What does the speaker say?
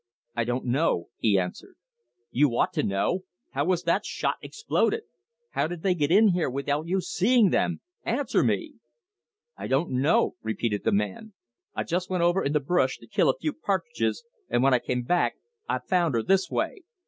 "I don't know," he answered. "You ought to know. How was that 'shot' exploded? How did they get in here without you seeing them? Answer me!" "I don't know," repeated the man. "I jest went over in th' bresh to kill a few pa'tridges, and when I come back I found her this way.